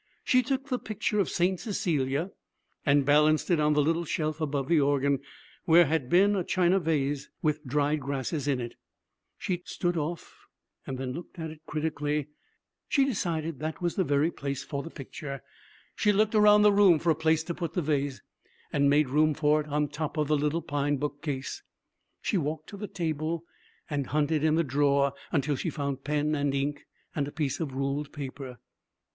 She took the picture of St. Cecilia and balanced it on the little shelf above the organ, where had been a china vase with dried grasses in it. She stood off and looked at it critically. She decided that was the very place for the picture. She looked around the room for a place to put the vase, and made room for it on top of the little pine book case. She walked to the table and hunted in the drawer until she found pen and ink and a piece of ruled paper.